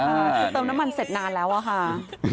คือเติมน้ำมันเสร็จนานแล้วอะค่ะ